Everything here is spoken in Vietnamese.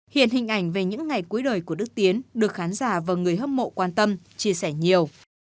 hiện hình ảnh về những ngày cuối đời của đức tiến được khán giả và người hâm mộ quan tâm chia sẻ nhiều